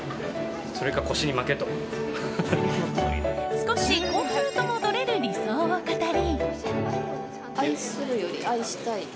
少し古風ともとれる理想を語り。